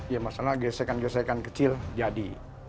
ya masalah gesekan gesekan kecil jadi